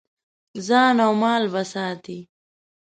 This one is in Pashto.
ځان او مال به ساتې.